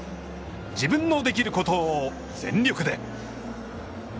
自分のできることを全力で。